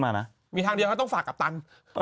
อยู่ในห้องนักบิน